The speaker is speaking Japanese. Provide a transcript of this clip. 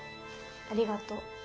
ありがとう。